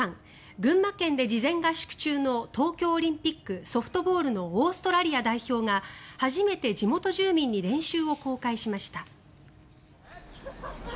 群馬県で事前合宿中の東京オリンピックソフトボールのオーストラリア代表が初めて地元住民に練習を公開しました。